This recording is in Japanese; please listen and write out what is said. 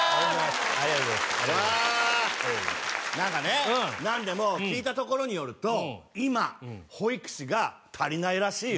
ありがとうございますわあ何かね何でも聞いたところによると今保育士が足りないらしいよ